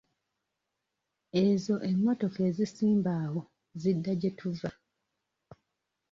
Ezo emmotoka ezisimba awo zidda gye tuva.